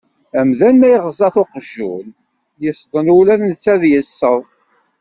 Amdan ma iɣeẓẓa-t uqjun yesḍen ula d netta ad yesseḍ.